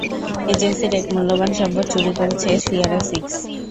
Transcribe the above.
এজেন্সির এক মূল্যবান সম্পদ চুরি করেছে সিয়েরা সিক্স।